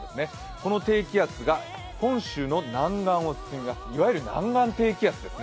この低気圧が本州の南岸を進みます、いわゆる南岸低気圧ですね。